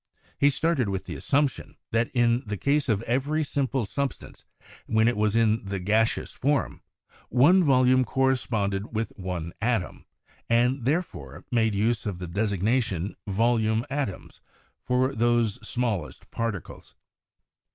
He started with the assumption that in the case of every simple substance, when it was in the gaseous form, one volume corresponded with one atom, and, there fore, made use of the designation "volume atoms" for those smallest particles.